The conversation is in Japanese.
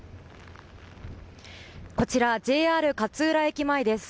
こちら、ＪＲ勝浦駅前です。